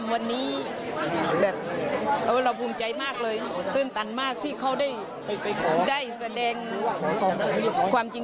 เราจะไปอยู่กับเขาไปทุกที่